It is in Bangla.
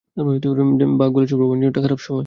বাক বলেছিল ভ্রমণের জন্য এটা খারাপ সময়।